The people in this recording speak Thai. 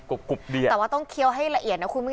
แต่ว่าต้องเคี้ยวให้ละเอียดนะคุณผู้ชม